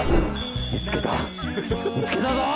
見つけた見つけたぞ